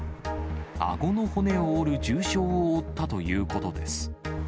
あごの骨を折る重傷を負ったということです。